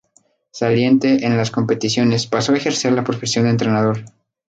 Saliente en las competiciones, pasó a ejercer la profesión de entrenador.